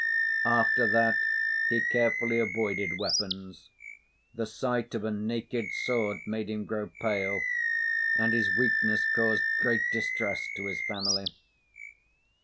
After that, he carefully avoided weapons. The sight of a naked sword made him grow pale, and this weakness caused great distress to his family.